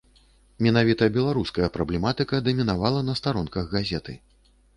Менавіта беларуская праблематыка дамінавала на старонках газеты.